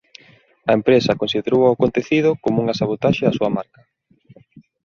A empresa considerou o acontecido como unha sabotaxe a súa marca.